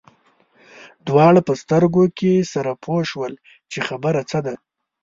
دواړه په سترګو کې سره پوه شول چې خبره څه ده.